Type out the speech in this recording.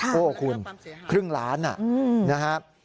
โอ้โหคุณครึ่งล้านนะครับ